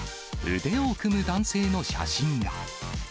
腕を組む男性の写真が。